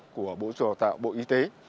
của bộ chủ tạo bộ y tế